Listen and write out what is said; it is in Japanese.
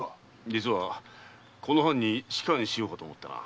実はこの藩に仕官しようと思ってな。